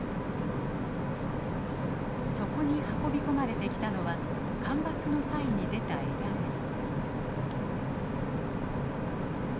そこに運び込まれてきたのは間伐の際に出た枝です。